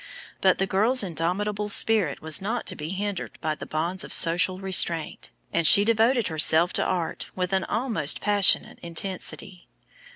But the girl's indomitable spirit was not to be hindered by the bonds of social restraint, and she devoted herself to art with an almost passionate intensity.